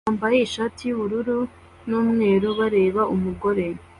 wambaye ishati y'ubururu n'umweru bareba umugore